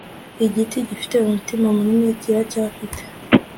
Igiti gifite umutima munini kiracyafite